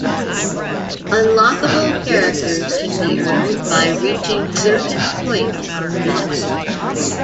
Unlockable characters can be earned by reaching certain points on the map.